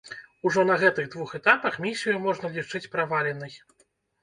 Ужо на гэтых двух этапах місію можна лічыць праваленай.